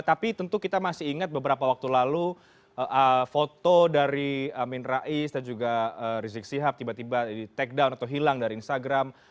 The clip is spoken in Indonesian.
tapi tentu kita masih ingat beberapa waktu lalu foto dari amin rais dan juga rizik sihab tiba tiba di take down atau hilang dari instagram